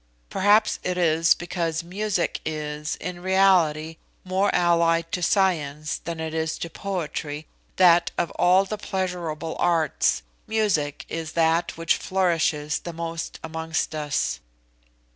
Perhaps it is because music is, in reality, more allied to science than it is to poetry, that, of all the pleasurable arts, music is that which flourishes the most amongst us.